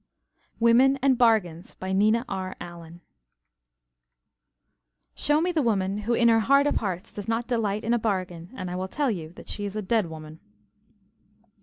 WOMEN AND BARGAINS BY NINA R. ALLEN Show me the woman who in her heart of hearts does not delight in a bargain, and I will tell you that she is a dead woman.